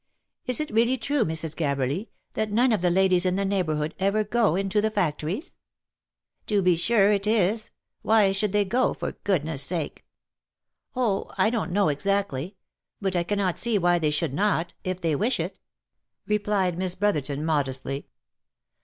Is it really true, Mrs. Gabberly, that none of the ladies in the neighbourhood ever go into the factories ?"" To be sure it is. Why should they go, for goodness sake?" " Oh ! I don't know exactly. — But I cannot see why they should not — if they wish it," replied Miss Brotherton, modestly.